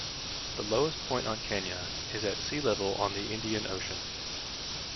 The lowest point on Kenya is at sea level on the Indian Ocean.